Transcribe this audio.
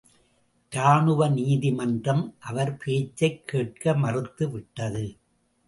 இராணுவ நீதிமன்றம் அவர் பேச்சைக் கேட்க மறுத்து விட்டது.